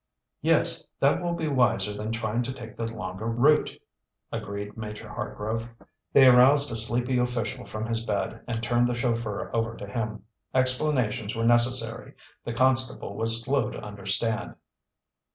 "Yes, that will be wiser than trying to take the longer route," agreed Major Hartgrove. They aroused a sleepy official from his bed, and turned the chauffeur over to him. Explanations were necessary. The constable was slow to understand.